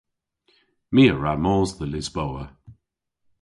My a wra mos dhe Lisboa.